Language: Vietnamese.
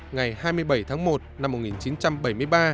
ngày hai mươi bảy tháng một năm một nghìn chín trăm bảy mươi ba